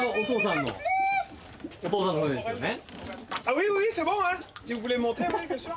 お父さんの船ですよね？